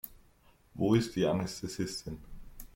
Wo ist die Anästhesistin?